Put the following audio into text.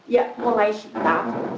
ya mulai setahun